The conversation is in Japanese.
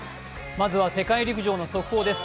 まずは世界陸上の速報です。